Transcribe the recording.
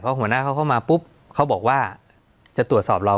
หัวหน้าเขาเข้ามาปุ๊บเขาบอกว่าจะตรวจสอบเรา